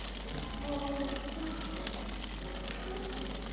そっとそっと。